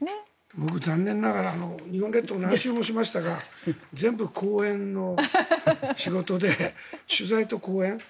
僕、残念ながら日本列島何周もしましたが全部講演の仕事で取材と講演。